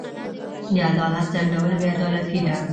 د عدالت ځنډول بې عدالتي ده.